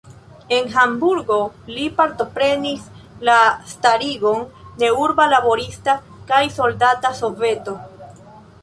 En Hamburgo li partoprenis la starigon de urba laborista kaj soldata soveto.